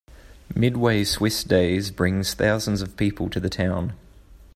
Midway Swiss Days brings thousands of people to the town.